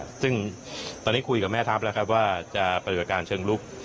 ซึ่งตอนนี้คุยกับแม่ทัพแล้วว่าจะประดูกการเชิงลุก